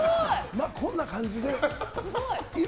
まあ、こんな感じで。